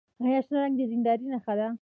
آیا شنه رنګ د دیندارۍ نښه نه ده؟